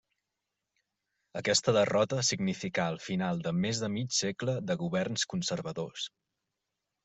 Aquesta derrota significà el final de més de mig segle de governs conservadors.